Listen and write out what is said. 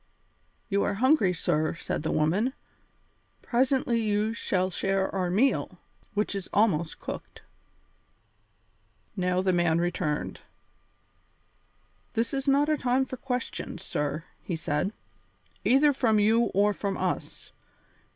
"You are hungry, sir," said the woman; "presently you shall share our meal, which is almost cooked." Now the man returned. "This is not a time for questions, sir," he said, "either from you or from us.